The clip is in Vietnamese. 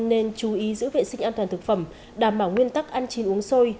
nên chú ý giữ vệ sinh an toàn thực phẩm đảm bảo nguyên tắc ăn chín uống sôi